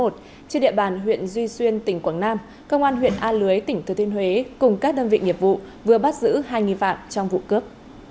trên địa bàn huyện duy xuyên tỉnh quảng nam công an huyện a lưới tỉnh thừa thiên huế cùng các đơn vị nghiệp vụ vừa bắt giữ hai nghi phạm trong vụ cướp